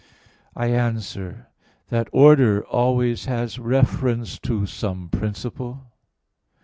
I answer that, Order always has reference to some principle.